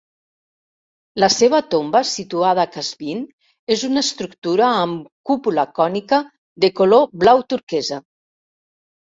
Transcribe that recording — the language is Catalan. La se va tomba, situada a Qazvin, és una estructura amb cúpula cònica de color blau turquesa.